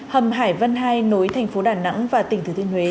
hầm hải văn hai nối thành phố đà nẵng và tỉnh thứ thiên huế